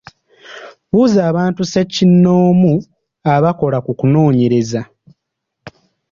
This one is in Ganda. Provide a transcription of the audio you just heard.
Buuza abantu ssekinnoomu abakola ku kunoonyereza.